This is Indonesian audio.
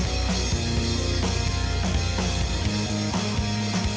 jadi kita sudah selesai